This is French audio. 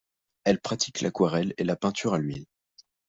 Elle pratique l’aquarelle et la peinture à l’huile.